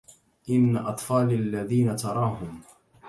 إن أطفالي الذين تراهم